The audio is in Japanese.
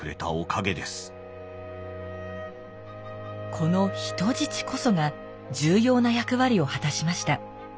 この「人質」こそが重要な役割を果たしました。